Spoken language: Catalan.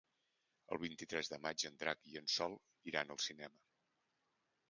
El vint-i-tres de maig en Drac i en Sol iran al cinema.